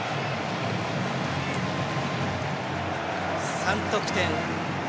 ３得点。